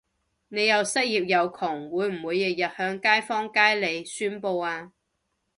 你又失業又窮會唔會日日向街坊街里宣佈吖？